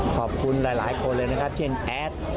ขอบคุณหลายคนเลยนะครับเช่นแอด